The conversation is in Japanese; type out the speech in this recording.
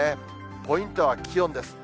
ポイントは気温です。